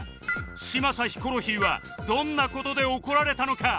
嶋佐ヒコロヒーはどんな事で怒られたのか？